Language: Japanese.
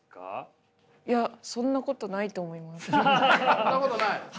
そんなことない？